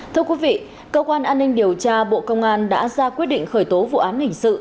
thưa quý vị cơ quan an ninh điều tra bộ công an đã ra quyết định khởi tố vụ án hình sự